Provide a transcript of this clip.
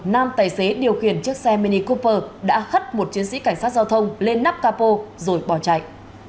nam tài xế điều khiển chiếc xe mini copper đã hất một chiến sĩ cảnh sát giao thông lên nắp capo rồi bỏ chạy